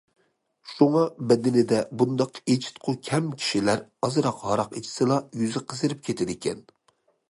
شۇڭا بەدىنىدە بۇنداق ئېچىتقۇ كەم كىشىلەر ئازراق ھاراق ئىچسىلا، يۈزى قىزىرىپ كېتىدىكەن.